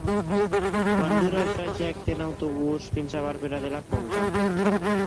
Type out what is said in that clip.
Quant dura el trajecte en autobús fins a Barberà de la Conca?